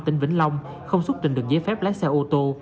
tên vĩnh long không xúc tình được giấy phép lái xe ô tô